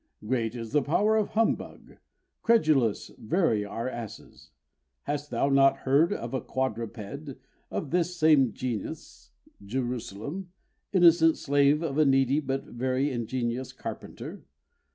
Great is the power of Humbug, credulous very are asses; Hast thou not heard of a quadruped, of this same genus Jerusalem Innocent slave of a needy but very ingenious carpenter?